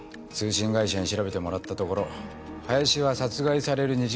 通信会社に調べてもらったところ林は殺害される